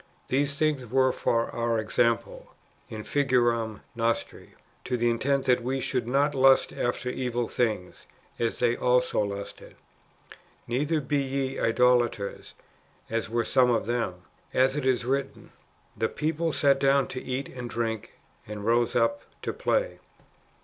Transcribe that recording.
These things were for our example (in figuram nostri), to the intent that we should not lust after evil things, as they also lusted ; neither be ye idolaters, as were some of them, as it is written :^ The people sat down to eat and drink, and rose up to play.